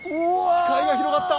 視界が広がった！